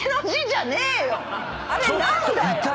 あれ何だよ